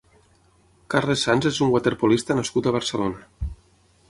Carles Sans és un waterpolista nascut a Barcelona.